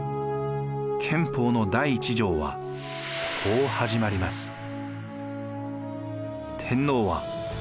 憲法の第１条はこう始まります。